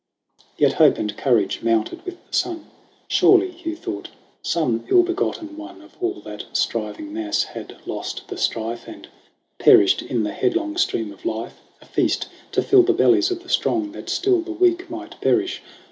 Yet hope and courage mounted with the sun. Surely, Hugh thought, some ill begotten one Of all that striving mass had lost the strife And perished in the headlong stream of life A feast to fill the bellies of the strong, That still the weak might perish.